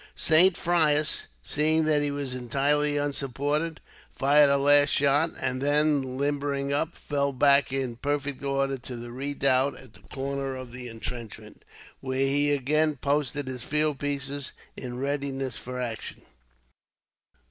Saint Frais, seeing that he was entirely unsupported, fired a last shot; and then, limbering up, fell back in perfect order to the redoubt at the corner of the intrenchment, where he again posted his field pieces, in readiness for action.